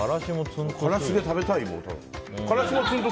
からしで食べたいよね。